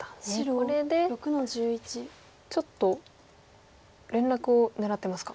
これでちょっと連絡を狙ってますか。